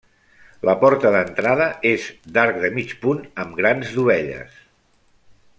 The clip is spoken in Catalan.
La porta d'entrada és d'arc de mig punt amb grans dovelles.